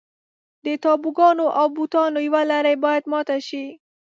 د تابوګانو او بوتانو یوه لړۍ باید ماته شي.